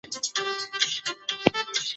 卡纳比街是英国的一条街道。